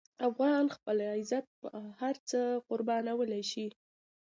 افغان خپل عزت په هر څه قربانولی شي.